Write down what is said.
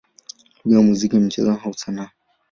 lugha, muziki, michezo au sanaa.